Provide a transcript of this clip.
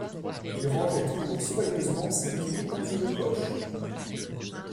Il rangeait toujours soigneusement ses clefs dans une poche